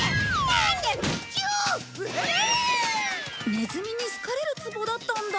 ネズミに好かれるツボだったんだ。